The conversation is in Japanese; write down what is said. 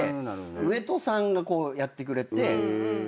上戸さんがやってくれて。